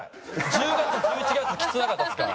１０月１１月きつくなかったですか？